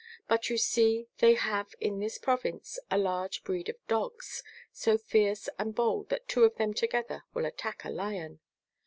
But you see they have in this province a large breed of dogs, so fierce and bold that two of them together will attack a lion."